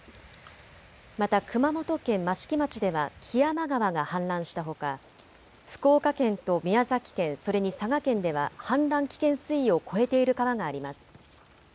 また熊本県益城町では木山川が氾濫したほか、福岡県と宮崎県、それに佐賀県では氾濫危険水位を超えている川があります。